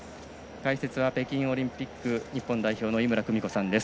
解説は北京オリンピック日本代表井村久美子さんです。